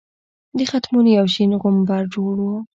د ختمونو یو شین غومبر جوړ وو.